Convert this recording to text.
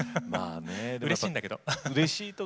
うれしいんだけど。